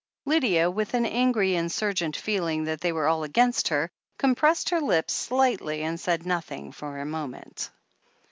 Lydia, with an angry, insurgent feeling that they were all against her, compressed her lips slightly and said nothing for a moment.